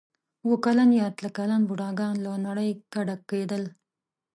اوه کلن یا اتیا کلن بوډاګان له نړۍ کډه کېدل.